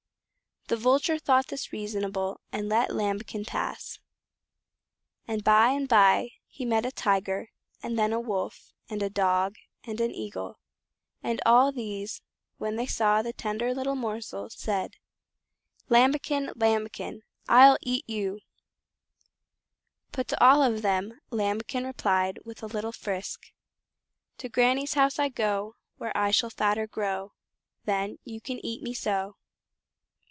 The Vulture thought this reasonable, and let Lambikin pass. And by and by he met a Tiger, and then a Wolf, and a Dog, and an Eagle, and all these, when they saw the tender little morsel, said: "Lambikin! Lambikin! I'll EAT YOU!" But to all of them Lambikin replied, with a little frisk: "To Granny's house I go, Where I shall fatter grow, Then you can eat me so."